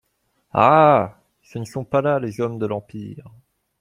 Ah ! ce ne sont pas là les hommes de l’empire.